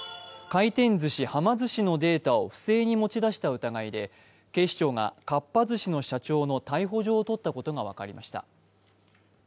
回転ずし、はま寿司のデータを不正に持ち出した疑いで警視庁がかっぱ寿司の社長の逮捕状を取ったことが分かりました。